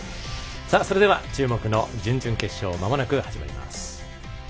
それでは注目の準々決勝まもなく始まります。